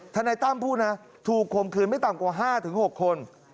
นายตั้มพูดนะถูกคมคืนไม่ต่ำกว่า๕๖คน